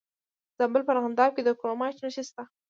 د زابل په ارغنداب کې د کرومایټ نښې شته.